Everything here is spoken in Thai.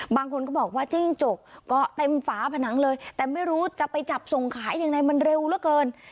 บางคนก็บอกว่าจิ้งจกก็เต็มฝาผนังเลยแต่ไม่รู้จะไปจับส่งขายยังไงมันเร็วเหลือเกิน